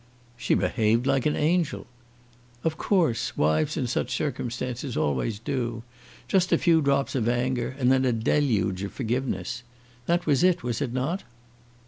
"She behaved like an angel." "Of course. Wives in such circumstances always do. Just a few drops of anger, and then a deluge of forgiveness. That was it, was it not?"